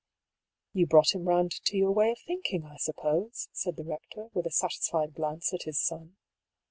" You brought him round to your way of thinking, I suppose," said the rector, with a satisfied glance at his son.